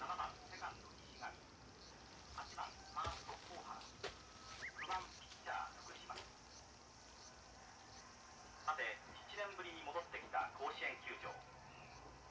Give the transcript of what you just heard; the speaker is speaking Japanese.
「さて７年ぶりに戻ってきた甲子園球場」。